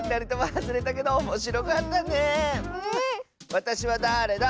「わたしはだーれだ？」